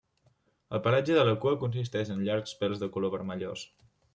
El pelatge de la cua consisteix en llargs pèls de color vermellós.